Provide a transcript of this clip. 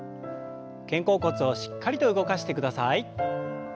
肩甲骨をしっかりと動かしてください。